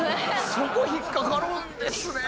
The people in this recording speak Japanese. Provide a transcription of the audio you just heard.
そこ引っかかるんですね！